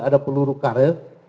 ada peluru karet